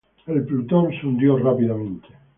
El "Plutón" se hundió rápidamente.